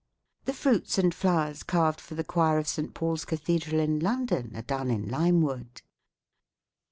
"The fruits and flowers carved for the choir of St. Paul's cathedral in London are done in lime wood.